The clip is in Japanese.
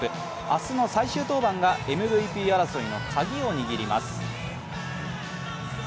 明日の最終登板がＭＶＰ争いの鍵を握ります。